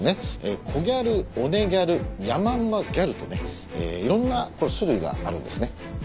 コギャルオネギャルヤマンバギャルとねいろんな種類があるんですね。